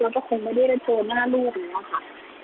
เราก็คงไม่ได้โทรมาลูกค่ะ